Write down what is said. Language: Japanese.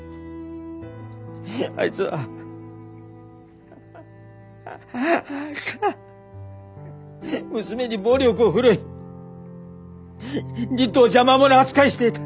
あいつはあいつは娘に暴力を振るい理人を邪魔もの扱いしていた。